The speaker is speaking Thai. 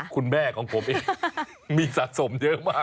คุณแม่ของผมเองมีสะสมเยอะมาก